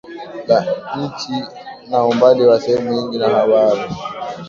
la nchi na umbali wa sehemu nyingi na bahari